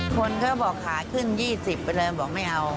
คนก็บอกขาขึ้น๒๐ไปเลยบอกไม่เอา